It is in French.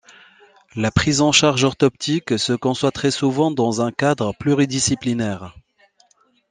La prise en charge orthoptique se conçoit très souvent dans un cadre pluridisciplinaire.